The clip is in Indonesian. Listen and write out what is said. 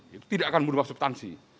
itu tidak akan merubah subtansi